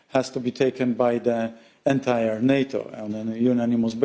harus diambil oleh seluruh nato secara unanimal